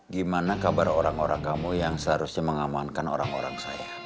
gimana kabar orang orang kamu yang seharusnya mengamankan orang orang saya